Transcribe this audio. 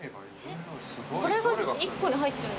これが１個に入ってる？